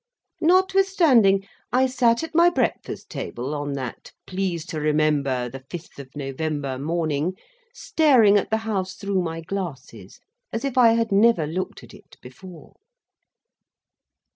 Notwithstanding, I sat at my breakfast table on that Please to Remember the fifth of November morning, staring at the House through my glasses, as if I had never looked at it before.